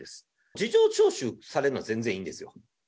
事情聴取されるの、全然いいんですよ。